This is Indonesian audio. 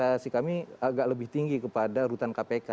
reaksi kami agak lebih tinggi kepada rutan kpk